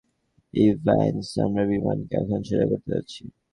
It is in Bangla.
ইভান্স, আমরা বিমানকে এখন সোজা করতে যাচ্ছি।